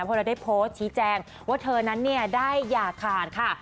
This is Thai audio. เพราะเราได้โพสต์ชี้แจงว่าเธอนั้นเนี่ยได้อย่าขาดค่ะ